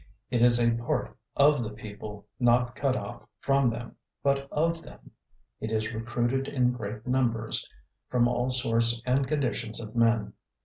It is a part of the people, not cut off from them, but of them; it is recruited in great numbers from all sorts and conditions of men.